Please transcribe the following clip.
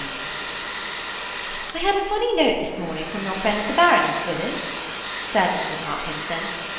CHAPTER X "I HAD a funny note this morning from your friend the Baroness, Willis," said Mrs. Hopkinson.